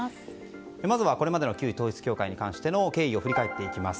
まずはこれまでの旧統一教会に関しての経緯を振り返ります。